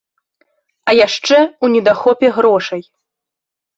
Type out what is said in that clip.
А яшчэ ў недахопе грошай.